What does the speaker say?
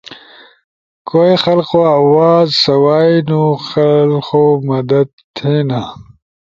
کوئی خلقو آواز سوائے تو خلخو مدد تھے نا۔